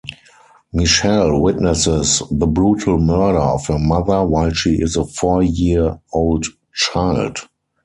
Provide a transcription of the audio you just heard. Michelle witnesses the brutal murder of her mother while she is a four-year-old child.